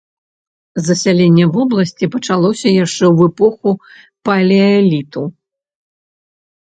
Засяленне вобласці пачалося яшчэ ў эпоху палеаліту.